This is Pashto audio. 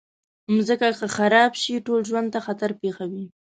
مځکه که خراب شي، ټول ژوند ته خطر پېښوي.